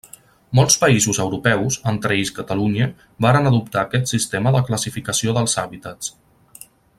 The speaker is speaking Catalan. Molts països Europeus, entre ells Catalunya, varen adoptar aquest sistema de classificació dels hàbitats.